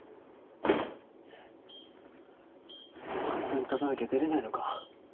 ３分経たなきゃ出られないのか。